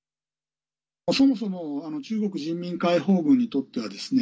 そもそも中国人民解放軍にとってはですね